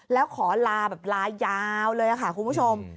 แล้วขอลาอยาวเลยน่ะคะคุณผู้ชม